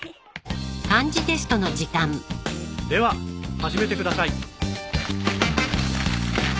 では始めてください。